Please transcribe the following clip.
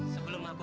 sebelum aku berubah